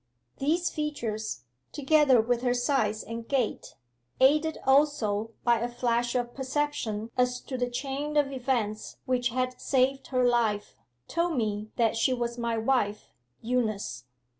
These features, together with her size and gait, aided also by a flash of perception as to the chain of events which had saved her life, told me that she was my wife Eunice.